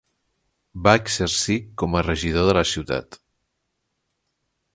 Va exercir com a regidor de la ciutat.